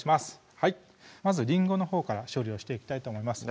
まずりんごのほうから処理をしていきたいと思います